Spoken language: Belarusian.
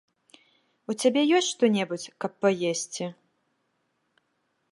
У цябе ёсць што-небудзь, каб паесці?